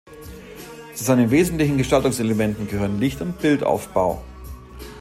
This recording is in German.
Zu seinen wesentlichen Gestaltungselementen gehören Licht und Bildaufbau.